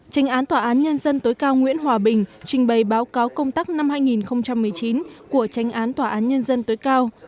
tranh án tòa án nhân dân tối cao nguyễn hòa bình trình bày báo cáo công tác năm hai nghìn một mươi chín của tranh án tòa án nhân dân tối cao